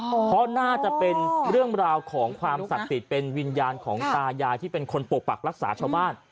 เพราะน่าจะเป็นเรื่องราวของความศักดิ์สิทธิ์เป็นวิญญาณของตายายที่เป็นคนปกปักรักษาชาวบ้าน